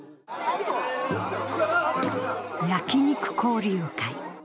焼肉交流会。